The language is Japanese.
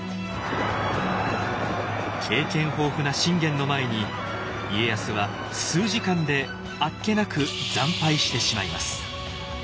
経験豊富な信玄の前に家康は数時間であっけなく惨敗してしまいます。